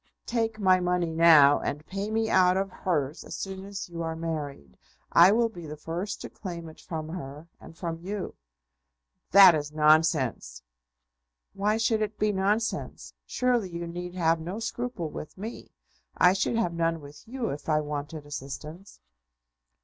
"Take my money now, and pay me out of hers as soon as you are married. I will be the first to claim it from her, and from you." "That is nonsense." "Why should it be nonsense? Surely you need have no scruple with me. I should have none with you if I wanted assistance."